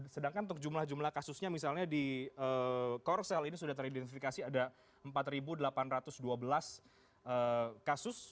sedangkan untuk jumlah jumlah kasusnya misalnya di korsel ini sudah teridentifikasi ada empat delapan ratus dua belas kasus